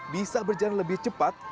bisa berjalan lebih cepat